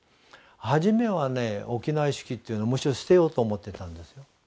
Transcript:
はじめはね沖縄意識っていうのはむしろ捨てようと思ってたんです。